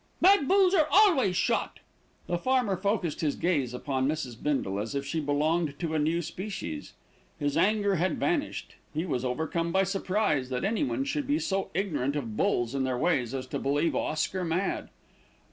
"Mad bulls are always shot." The farmer focussed his gaze upon Mrs. Bindle, as if she belonged to a new species. His anger had vanished. He was overcome by surprise that anyone should be so ignorant of bulls and their ways as to believe Oscar mad.